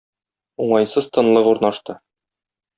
Уңайсыз тынлык урнашты.